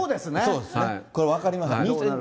これ、分かりません。